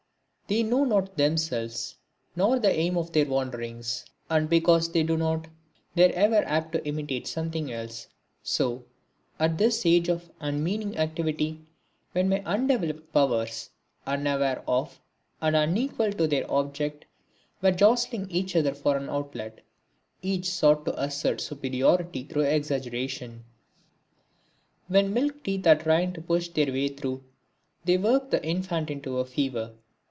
They know not themselves, nor the aim of their wanderings; and, because they do not, they are ever apt to imitate something else. So, at this age of unmeaning activity, when my undeveloped powers, unaware of and unequal to their object, were jostling each other for an outlet, each sought to assert superiority through exaggeration. When milk teeth are trying to push their way through, they work the infant into a fever.